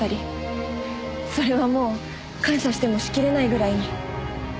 それはもう感謝してもしきれないぐらいに。